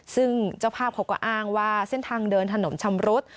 ซึ่งเจ้าภาพเขาก็อ้างว่าเส้นทางเดินถนนชำรุด